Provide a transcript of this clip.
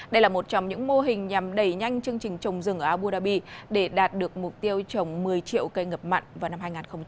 đây là một trong những mô hình nhằm đẩy nhanh chương trình trồng rừng ở a budabi để đạt được mục tiêu trồng một mươi triệu cây ngập mặn vào năm hai nghìn ba mươi